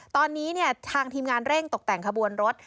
ตอนนี้ทางทีมงานเร่งตกแต่งขบวนรถ